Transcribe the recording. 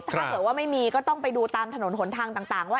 ถ้าเกิดว่าไม่มีก็ต้องไปดูตามถนนหนทางต่างว่า